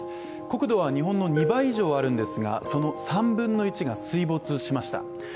国土は日本の２倍以上あるんですがその３分の１が水没しました。